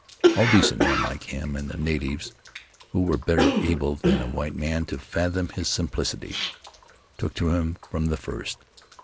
All decent men liked him, and the natives, who were better able than a white man to fathom his simplicity, took to him from the first.